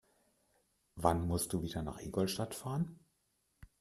Wann musst du wieder nach Ingolstadt fahren?